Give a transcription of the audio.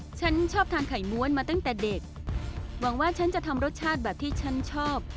ฉันชอบทานไข่ม้วนมาตั้งแต่เด็กหวังว่าฉันจะทำรสชาติแบบที่ฉันชอบ